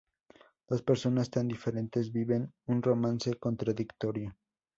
Dos personas tan diferentes viven un romance contradictorio.